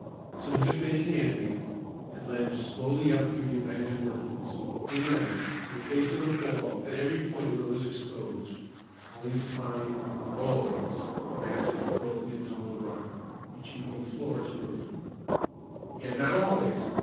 So he took Bennie's hand again, and led him slowly up through the abandoned workings, in and out, to the face of the fall at every point where it was exposed, only to find, always, the masses of broken and tumbled rock, reaching from floor to roof. Yet not always!